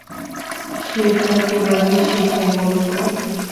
সেটা কীভাবে শেখাই বলো তো?